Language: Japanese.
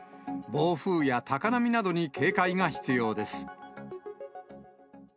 暴風や高波などに警戒が必要です。